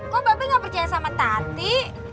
kok bapak gak percaya sama tati